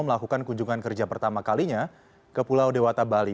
melakukan kunjungan kerja pertama kalinya ke pulau dewata bali